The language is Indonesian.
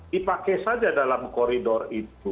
dipakai saja dalam koridor itu